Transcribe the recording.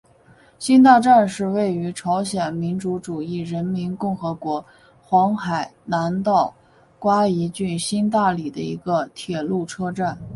新大站是位于朝鲜民主主义人民共和国黄海南道瓜饴郡新大里的一个铁路车站。